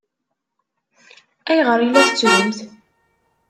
Ayɣer i la tettrumt?